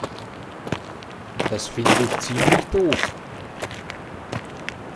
Das finde ich ziemlich doof.